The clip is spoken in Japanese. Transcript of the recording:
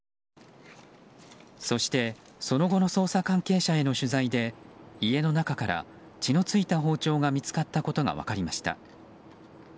そして、その後の捜査関係者への取材で家の中から血の付いた包丁が見つかったことが分かりました。